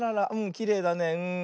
きれいだね。